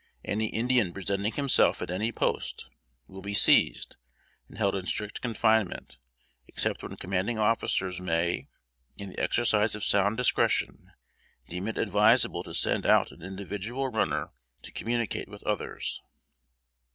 Any Indian presenting himself at any post, will be seized and held in strict confinement, except when commanding officers may, in the exercise of sound discretion, deem it advisable to send out an individual runner to communicate with others.